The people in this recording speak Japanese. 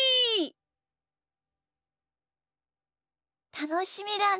たのしみだね。